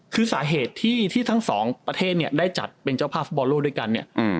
คือสาเหตุที่ทั้งสองประเทศเนี่ยได้จัดเป็นเจ้าภาพฟุตบอลโลกด้วยกันเนี่ย